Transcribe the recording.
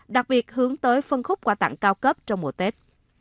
đặc biệt hướng tới phân khúc quà tặng cao cấp trong mùa tết